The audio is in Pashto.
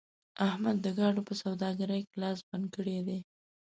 احمد د ګاډو په سوداګرۍ کې لاس بند کړی دی.